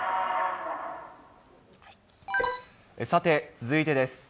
さて、続いてです。